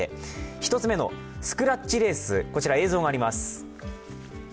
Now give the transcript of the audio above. １つ目のスクラッチレース、映像があります。